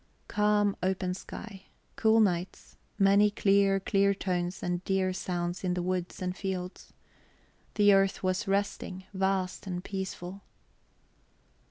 Calm, open sky, cool nights, many clear, clear tones and dear sounds in the woods and fields. The earth was resting, vast and peaceful...